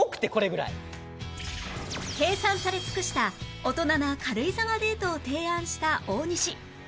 計算され尽くした大人な軽井沢デートを提案した大西